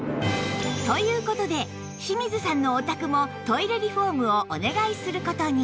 という事で清水さんのお宅もトイレリフォームをお願いする事に